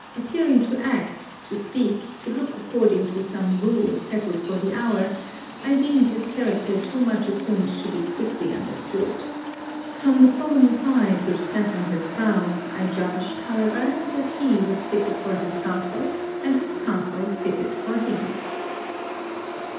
Appearing to act, to speak, to look according to some rule settled for the hour, I deemed his character too much assumed to be quickly understood. From the solemn pride which sat on his brow, I judged, however, that he was fitted for his castle, and his castle fitted for him.